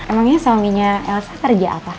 emangnya suaminya elsa kerja apa